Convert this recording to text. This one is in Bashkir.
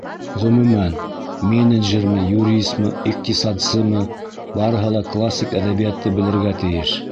Ғөмүмән, менеджермы, юрисмы, иҡтисадсымы — барыһы ла классик әҙәбиәтте белергә тейеш.